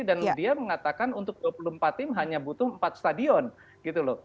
dan dia mengatakan untuk dua puluh empat tim hanya butuh empat stadion gitu loh